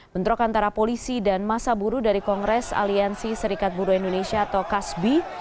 bentrok antara polisi dan masa buruh dari kongres aliansi serikat buruh indonesia atau kasbi